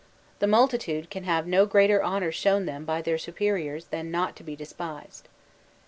The multitude can have no greater honour shown them by their superiors than. not to be despised.